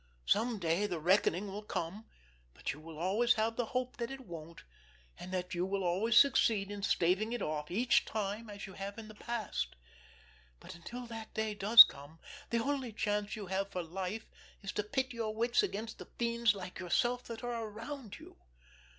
Some day the reckoning will come; but you will always have the hope that it won't, and that you will always succeed in staving it off each time as you have in the past. But until that day does come the only chance you have for life is to pit your wits against the fiends like yourself that are around you.